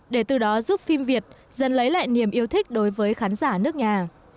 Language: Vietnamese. để từ đó giúp phim việt dần lấy lại niềm yêu thích đối với khán giả nước nhà